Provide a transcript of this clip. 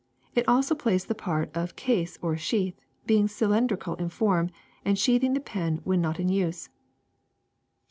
It also plays the part of case or sheath, being cylindrical in form and sheathing the pen when not in use.